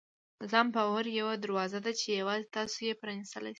د ځان باور یوه دروازه ده چې یوازې تاسو یې پرانیستلی شئ.